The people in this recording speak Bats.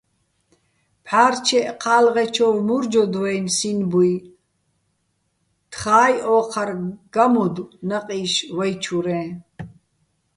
ბჵა́რჩეჸ ჴა́ლღეჩოვ მურჯოდვაჲნი̆ სინბუჲ, თხაჲ ო́ჴარ გამოდო̆ ნაჸიშ ვაჲჩურეჼ.